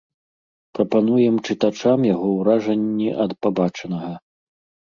Прапануем чытачам яго ўражанні ад пабачанага.